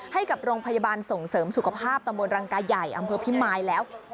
ให้กับโรงพยาบาลส่งเสริมสุขภาพตำบลรังกายใหญ่อำเภอพิมายแล้ว